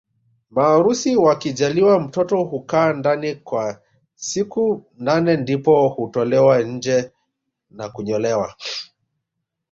Maharusi wakijaliwa mtoto hukaa ndani kwa siku nane ndipo hutolewa nje na kunyolewa